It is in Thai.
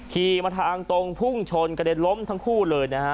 ขี่มาทางตรงพุ่งชนกระเด็นล้มทั้งคู่เลยนะฮะ